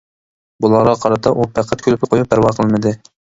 بۇلارغا قارىتا ئۇ پەقەت كۈلۈپلا قويۇپ پەرۋا قىلمىدى.